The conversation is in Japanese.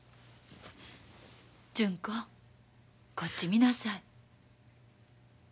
純子こっち見なさい。